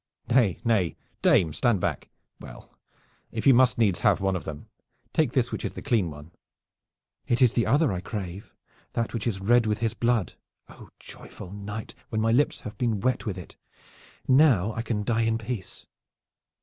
"Nay, nay, dame, stand back! Well, if you must needs have one of them, take this which is the clean one." "It is the other I crave that which is red with his blood! Oh! joyful night when my lips have been wet with it! Now I can die in peace!"